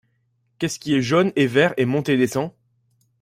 Qu'est-ce qui est jaune et vert et monte et descend?